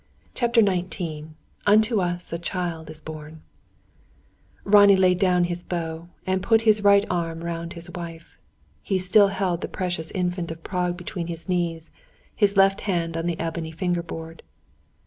CHAPTER XIX UNTO US A CHILD IS BORN Ronnie laid down his bow, and put his right arm round his wife. He still held the precious Infant of Prague between his knees, his left hand on the ebony finger board.